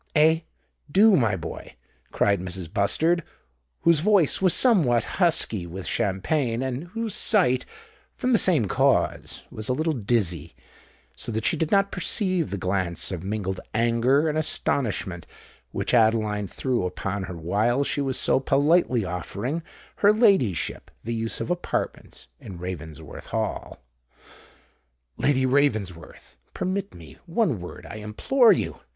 "Eh—do, my boy," cried Mrs. Bustard, whose voice was somewhat husky with champagne, and whose sight, from the same cause, was a little dizzy—so that she did not perceive the glance of mingled anger and astonishment which Adeline threw upon her while she was so politely offering her ladyship the use of apartments in Ravensworth Hall. "Lady Ravensworth, permit me—one word, I implore you!"